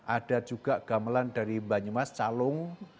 ada juga gamelan dari banyumas calung